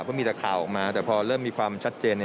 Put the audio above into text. เพราะมีแต่ข่าวออกมาแต่พอเริ่มมีความชัดเจน